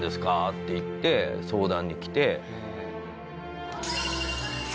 って言って相談に来て。